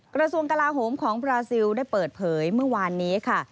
กระทรวงกลาโหมของบราซิลได้เปิดเผยเมื่อวานนี้ค่ะ